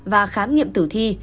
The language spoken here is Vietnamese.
và khám nghiệm tử thi